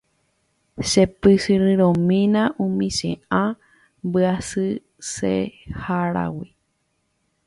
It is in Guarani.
Chepysyrõmína umi che ã mbyaiseháragui.